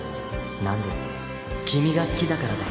何でって君が好きだからだよ